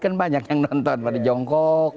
kan banyak yang nonton pada jongkok